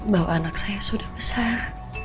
bahwa anak saya sudah besar